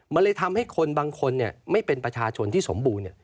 มันเลยทำให้คนบางคนไม่เป็นประชาชนที่สมบูรณ์